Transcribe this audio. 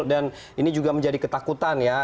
dan ini juga menjadi ketakutan ya